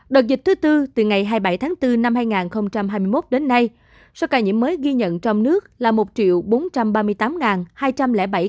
đợt dịch thứ bốn từ ngày hai mươi bảy tháng bốn năm hai nghìn hai mươi một đến nay số ca nhiễm mới ghi nhận trong nước là một bốn trăm ba mươi tám hai trăm linh bảy ca trong đó có một năm mươi bảy sáu trăm một mươi chín bệnh nhân đã được công bố khỏi bệnh